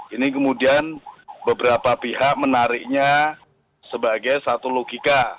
ini kemudian beberapa pihak menariknya sebagai satu logika